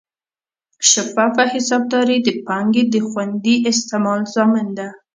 شفافه حسابداري د پانګې د خوندي استعمال ضامن ده.